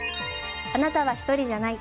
あなたは一人じゃない。